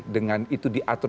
dengan itu diatur